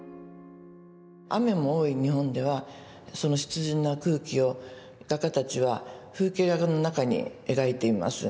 雨も多い日本ではその湿潤な空気を画家たちは風景画の中に描いています。